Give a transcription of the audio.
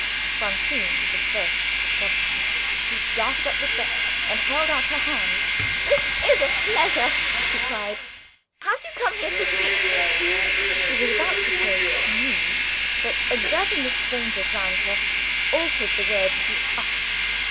Francine was the first to discover him. She darted up the steps and held out her hand. "This is a pleasure!" she cried. "Have you come here to see " she was about to say Me, but, observing the strangers round her, altered the word to Us.